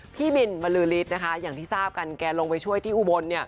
พี่บินมารือรีดนะคะอย่างที่ทราบกันแกลงไปช่วยที่อุบลเนี่ย